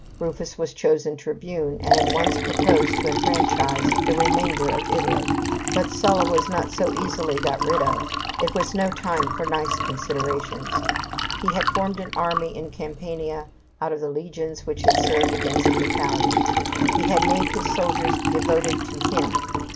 Rufus was chosen tribune, and at once proposed to enfranchise the remainder of Italy. But Sulla was not so easily got rid of. It was no time for nice considerations. He had formed an army in Campania out of the legions which had served against the Italians. He had made his soldiers devoted to him.